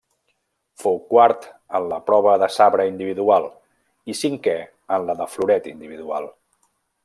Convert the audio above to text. Fou quart en la prova de sabre individual i cinquè en la de floret individual.